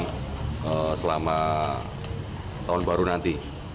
dan selama tahun baru nanti